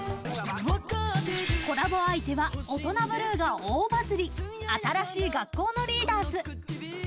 コラボお相手は「オトナブルー」が大バズり新しい学校のリーダーズ。